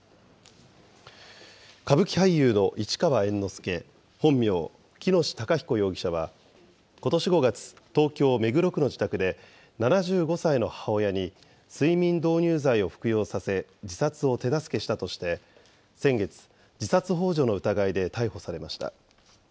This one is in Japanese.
歌舞伎俳優の市川猿之助、本名・喜熨斗孝彦容疑者は、ことし５月、東京・目黒区の自宅で７５歳の母親に睡眠導入剤を服用させ、自殺を手助けしたとして、先月、自殺ほう助の疑いで逮捕されました。